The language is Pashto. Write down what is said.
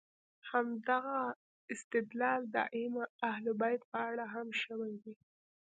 همدغه استدلال د ائمه اهل بیت په اړه هم شوی دی.